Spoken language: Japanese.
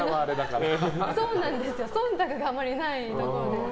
忖度があまりないところで。